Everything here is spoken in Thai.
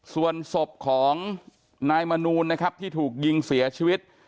ส่วนศพของนายมนูลนะครับที่ถูกยิงเสียชีวิต